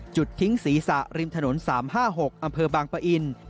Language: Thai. ทิ้งศีรษะริมถนน๓๕๖อำเภอบางปะอิน